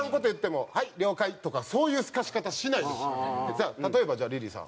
じゃあ例えばリリーさん。